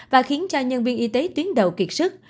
và khiến cho nhân viên y tế tuyến đầu kiệt sức